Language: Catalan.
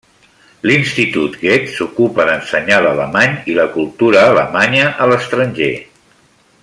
L'Institut Goethe s'ocupa d'ensenyar l'alemany i la cultura alemanya a l'estranger.